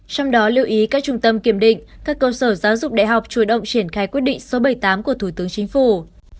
trong đó lưu ý các trung tâm kiểm định các cơ sở giáo dục đại học chủ động triển khai quyết định số bảy mươi tám của thủ tướng chính phủ